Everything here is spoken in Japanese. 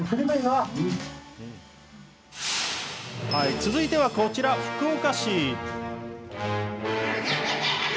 続いてはこちら、福岡市。